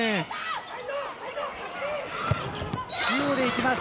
中央で行きます。